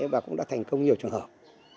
và cũng đã thành công nhiều trường hợp